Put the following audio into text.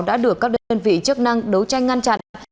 đã được các đơn vị chức năng đấu tranh ngăn chặn